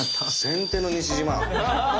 先手の西島。